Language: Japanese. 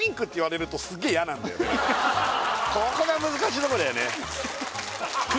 ここが難しいとこだよね